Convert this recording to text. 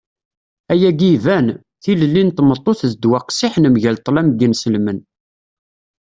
ayagi iban. tilelli n tmeṭṭut d ddwa qqessiḥen mgal ṭṭlam n yinselmen